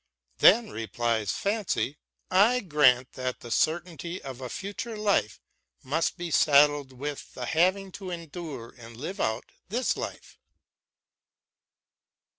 Then replies Fancy :" I grant that the certainty of a future life must be saddled with the having to endure and live out this life."